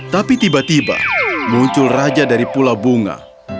tapi tiba tiba muncul raja dari pulau bunga